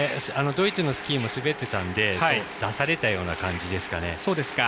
ドイツのスキーも滑ってたんで出されたような感じですかね。